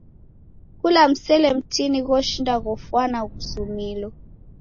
Kula msele mtini ghoshinda ghofwana ghuzumilo.